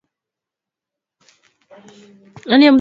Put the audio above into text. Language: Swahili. Kamasi kutoka puani